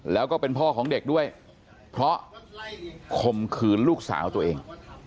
แล้วก็เป็นพ่อของเด็กด้วยเพราะข่มขืนลูกสาวตัวเอง